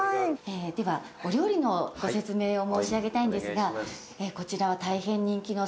ではお料理のご説明を申し上げたいんですがこちらは大変人気の。